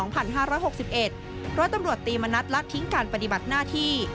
ร้อยตำรวจตีมณัฐลัดทิ้งการปฏิบัติหน้าที่